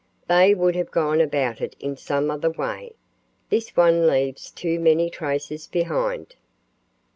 They would have gone about it in some other way. This one leaves too many traces behind."